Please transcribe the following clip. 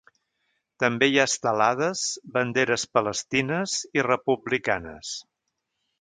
També hi ha estelades, banderes palestines i republicanes.